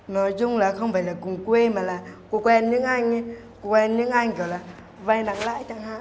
nói chung là không phải là cùng quê mà là cô quen những anh quen những anh gọi là vay nặng lãi chẳng hạn